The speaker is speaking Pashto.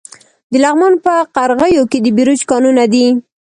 د لغمان په قرغیو کې د بیروج کانونه دي.